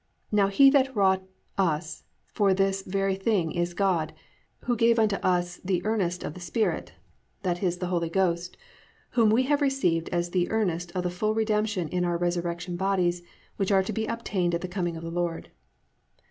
Now he that wrought us for this very thing is God, who gave unto us the earnest of the Spirit+ (i.e., the Holy Ghost, whom we have received as the earnest of the full redemption in our resurrection bodies which are to be obtained at the coming of the Lord).